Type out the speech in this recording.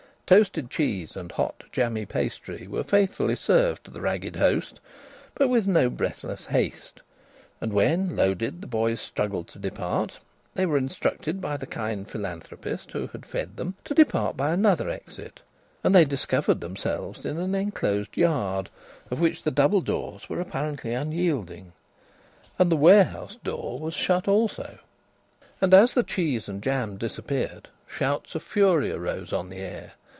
Toasted cheese and hot jammy pastry were faithfully served to the ragged host but with no breathless haste. And when, loaded, the boys struggled to depart, they were instructed by the kind philanthropist who had fed them to depart by another exit, and they discovered themselves in an enclosed yard, of which the double doors were apparently unyielding. And the warehouse door was shut also. And as the cheese and jam disappeared, shouts of fury arose on the air.